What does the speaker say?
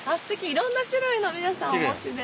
いろんな種類のを皆さんお持ちで。